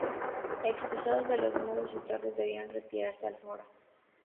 Expulsados de los muros y torres debieron retirarse al foro.